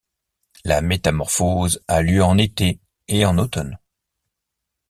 La métamorphose a lieu en été et en automne.